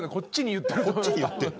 こっちに言ってんの？